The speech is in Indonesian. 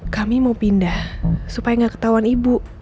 kami mau pindah supaya gak ketauan ibu